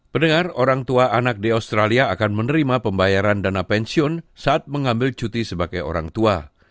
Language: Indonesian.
pendengar orang tua anak di australia akan menerima pembayaran dana pensiun saat mengambil cuti sebagai orang tua